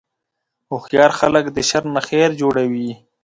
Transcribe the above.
هوښیار خلک د شر نه خیر جوړوي.